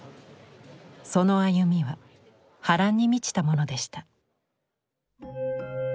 その歩みは波乱に満ちたものでした。